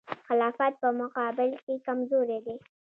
خلافت په مقابل کې کمزوری دی.